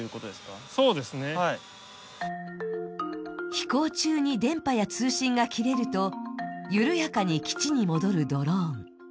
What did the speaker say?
飛行中に電波や通信が切れると緩やかに基地に戻るドローン。